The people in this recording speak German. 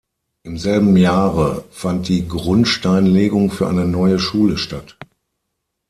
Im selben Jahre fand die Grundsteinlegung für eine neue Schule statt.